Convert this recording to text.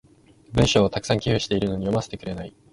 文章を沢山寄付してるのに読ませてくれない。